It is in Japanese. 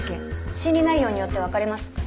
審理内容によって分かれます。